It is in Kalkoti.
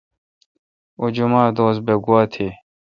اوں جمعہ دوس بہ گوا تھی۔